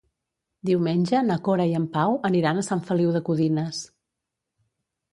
Diumenge na Cora i en Pau aniran a Sant Feliu de Codines.